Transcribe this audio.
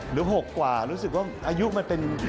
๖กว่ารู้สึกว่าอายุมันเป็น